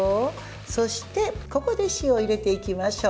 そして、ここで塩を入れていきましょう。